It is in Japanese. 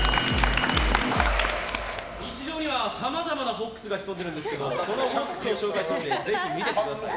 日常にはさまざまなＦＯＸがひそんでるんですけどそのＦＯＸの正体をぜひ見てってください。